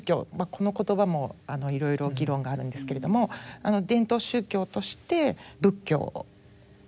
この言葉もいろいろ議論があるんですけれども伝統宗教として仏教文化